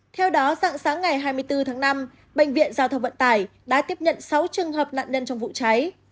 theo đó dạng sáng ngày hai mươi bốn tháng năm bệnh viện giao thông vận tải đã tiếp nhận sáu trường hợp nạn nhân trong vụ cháy